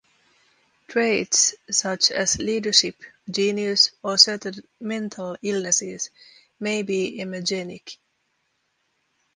Traits such as "leadership", "genius" or certain mental illnesses may be emergenic.